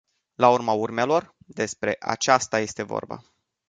La urma urmelor, despre aceasta este vorba.